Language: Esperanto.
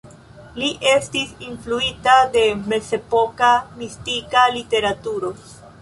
Li estis influita de mezepoka mistika literaturo.